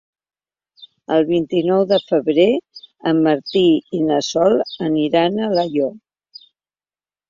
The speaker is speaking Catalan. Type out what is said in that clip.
El vint-i-nou de febrer en Martí i na Sol aniran a Alaior.